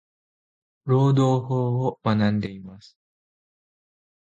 労働法を学んでいます。。